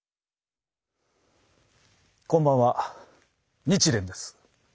こんばんは日蓮です。